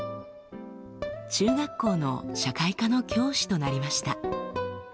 中学校の社会科の教師となりました。